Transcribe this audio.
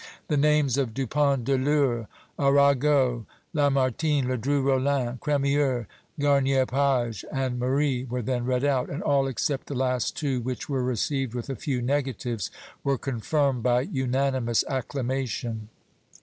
The names of Dupont de l'Eure, Arago, Lamartine, Ledru Rollin, Crémieux, Garnier Pages and Marie were then read out, and all, except the last two which were received with a few negatives were confirmed by unanimous acclamation.